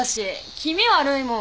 気味悪いもん。